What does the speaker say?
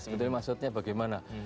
sebetulnya maksudnya bagaimana